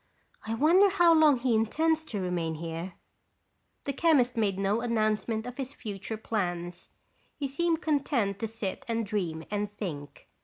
"I wonder how long he intends to remain here?" The chemist made no announcement of his future plans. He seemed content to sit and dream and think.